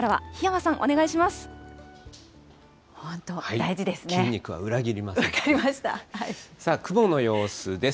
さあ、雲の様子です。